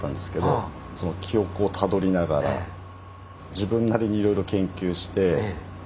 自分なりにいろいろ研究して。